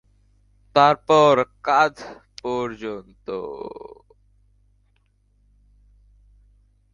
তারপর কাঁধ পর্যন্ত।